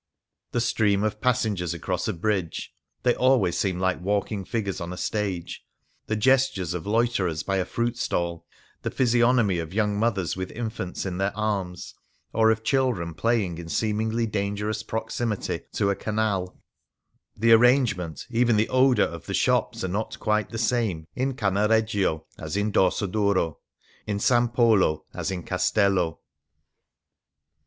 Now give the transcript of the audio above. The stream of passengers across a bridge — they always seem like walking figures on a stage — the gestures of loiterers by a fruit stall, the physiognomy of young mothers with infants in their arms, or of children playing in seemingly dangerous proximity to a canal, the arrangement, even the 132 Varia odour, of the shops are not quite the same in Cannareggio as in Dorsoduro, in S. Polo as in Castello.